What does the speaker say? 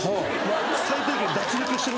最低限脱力してるけど。